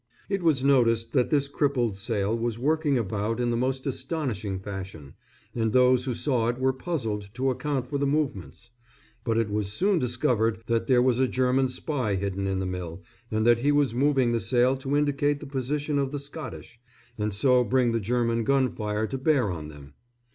It was noticed that this crippled sail was working about in the most astonishing fashion, and those who saw it were puzzled to account for the movements; but it was soon discovered that there was a German spy hidden in the mill, and that he was moving the sail to indicate the position of the Scottish, and so bring the German gun fire to bear on them.